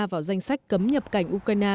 vào danh sách cấm nhập cảnh ukraine